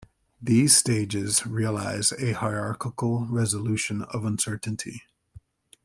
These stages realize a "hierarchical resolution of uncertainty".